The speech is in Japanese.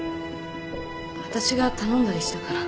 わたしが頼んだりしたから。